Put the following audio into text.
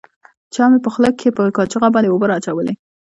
چا مې په خوله کښې په کاشوغه باندې اوبه راواچولې.